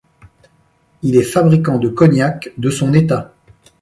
Il est fabricant de cognac de son état.